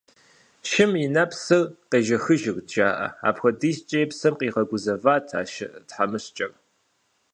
Шым и нэпсыр къежэхырт жаӏэ, апхуэдизкӏэ и псэм къигъэгузэват а шы тхьэмыщкӏэр.